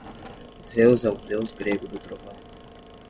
Zeus é o deus grego do trovão.